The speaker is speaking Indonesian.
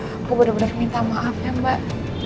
aku bener bener minta maaf ya mbak